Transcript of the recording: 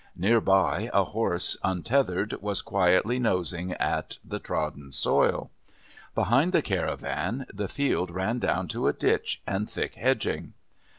Near by a horse, untethered, was quietly nosing at the trodden soil. Behind the caravan the field ran down to a ditch and thick hedging.